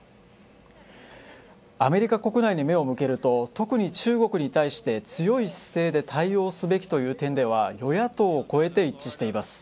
アメリカ国内に目を向けると特に中国に対して強い姿勢で対応すべきという点では与野党を超えて一致しています。